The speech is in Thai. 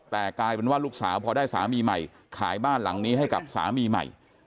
แต่กลายเป็นว่าลูกสาวพอได้สามีใหม่ขายบ้านหลังนี้ให้กับสามีใหม่